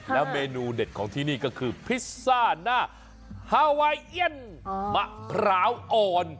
แล้วเมนูเด็ดของที่นี่ก็คือพิซซ่าหน้าฮาไวเอียนมะพร้าวอ่อน